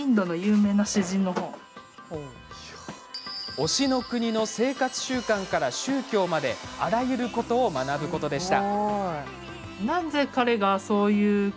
推しの国の生活習慣から宗教まであらゆることを学ぶことでした。